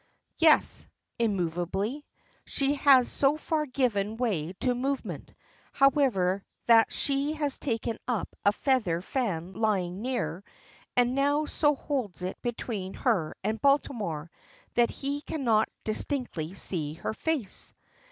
"Yes," immovably. She has so far given way to movement, however, that she has taken up a feather fan lying near, and now so holds it between her and Baltimore that he cannot distinctly see her face.